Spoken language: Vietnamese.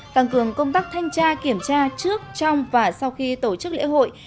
tăng cường công tác thanh tra kiểm tra trước trong và sau khi tổ chức lễ hội